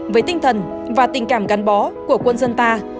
với tinh thần và tình cảm gắn bó của quân dân ta